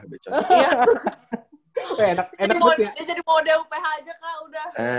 jadi mode uph aja kak udah